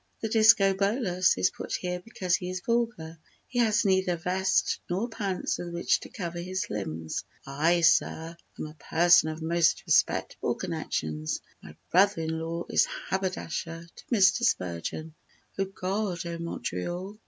"The Discobolus is put here because he is vulgar— He has neither vest nor pants with which to cover his limbs; I, Sir, am a person of most respectable connections My brother in law is haberdasher to Mr. Spurgeon." O God! O Montreal!